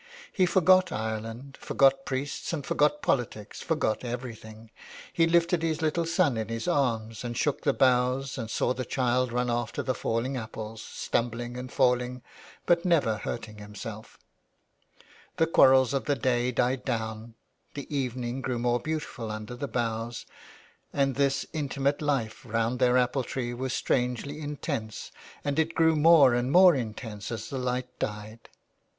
He forgot Ireland, forgot priests and forgot politics, forgot everj thing. He lifted his little son in his arms and shook the boughs and saw the child run after the falling apples, stumbling and falling but never hurting himself The quarrels of the day died down ; the evening grew more beautiful under the boughs, and this inti mate life round their apple tree was strangely intense, and it grew more and more intense as the light died.